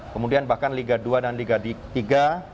kemudian bahkan liga dua dan liga tiga